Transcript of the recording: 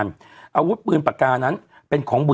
เราก็มีความหวังอะ